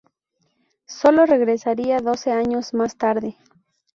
Solo regresaría doce años más tarde.